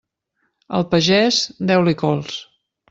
Al pagès, deu-li cols.